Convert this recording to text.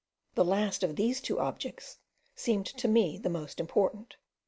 The last of these two objects seemed to me the most important.